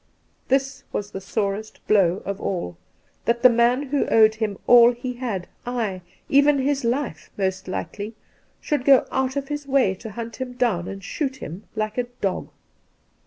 This was the sorest blow of aU, that the man who owed him all he had — ay, even his life most likely !— should go out of his way to hunt him down and shoot him like a dog.